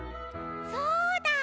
そうだ！